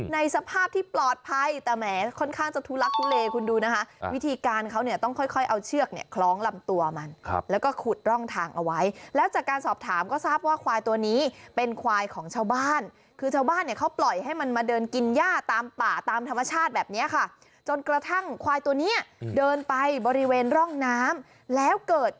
ในสภาพที่ปลอดภัยแต่แหมค่อนข้างจะทุลักทุเลคุณดูนะคะวิธีการเขาเนี่ยต้องค่อยค่อยเอาเชือกเนี่ยคล้องลำตัวมันแล้วก็ขุดร่องทางเอาไว้แล้วจากการสอบถามก็ทราบว่าควายตัวนี้เป็นควายของชาวบ้านคือชาวบ้านเนี่ยเขาปล่อยให้มันมาเดินกินย่าตามป่าตามธรรมชาติแบบเนี้ยค่ะจนกระทั่งควายตัวเนี้ยเดินไปบริเวณร่องน้ำแล้วเกิด